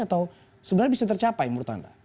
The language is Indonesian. atau sebenarnya bisa tercapai menurut anda